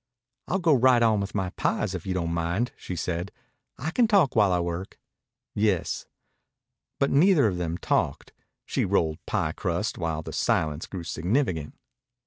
"I'll go right on with my pies if you don't mind," she said. "I can talk while I work." "Yes." But neither of them talked. She rolled pie crust while the silence grew significant.